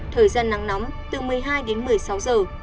thời gian nắng nóng từ một mươi hai đến một mươi sáu giờ